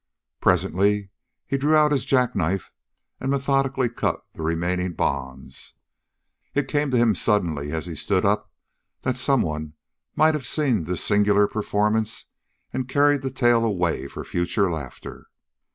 Presently he drew out his jackknife and methodically cut the remaining bonds. It came to him suddenly, as he stood up, that someone might have seen this singular performance and carried the tale away for future laughter.